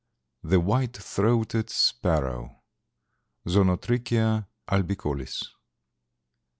THE WHITE THROATED SPARROW. (_Zonotrichia albicollis.